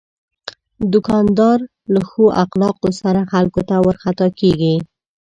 دوکاندار له ښو اخلاقو سره خلکو ته ورخطا کېږي.